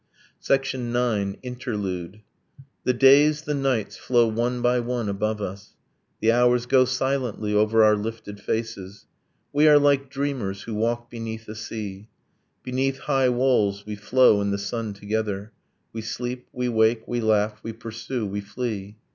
IX. INTERLUDE The days, the nights, flow one by one above us, The hours go silently over our lifted faces, We are like dreamers who walk beneath a sea. Beneath high walls we flow in the sun together. We sleep, we wake, we laugh, we pursue, we flee.